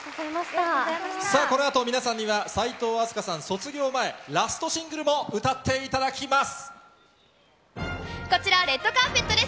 さあ、このあと皆さんには、齋藤飛鳥さん卒業前、ラストシングルも歌っていただきます。